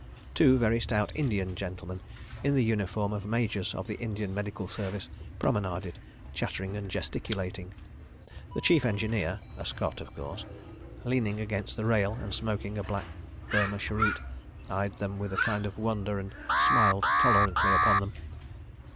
Two very stout Indian gentlemen, in the uniform of Majors of the Indian Medical Service, promenaded, chattering and gesticulating. The Chief Engineer (a Scot, of course), leaning against the rail and smoking a black Burma cheroot, eyed them with a kind of wonder, and smiled tolerantly upon them.